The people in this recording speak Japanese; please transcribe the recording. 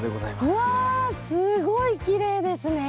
すごいきれいですね。